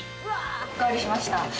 おかわりしました。